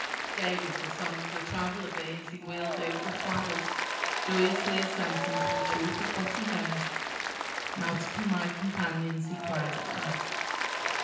Gay was the song of the Traveller bee as he wheeled over the flowers, joyously assenting to the truth of what he heard. "Now to my companions," he cried at last.